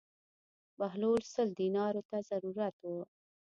بهلول سل دینارو ته ضرورت و.